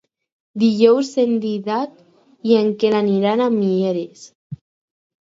Dijous en Dídac i en Quel aniran a Mieres.